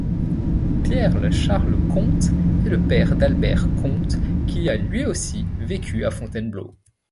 Pierre-Charles Comte est le père d'Albert Comte qui a lui aussi vécu à Fontainebleau.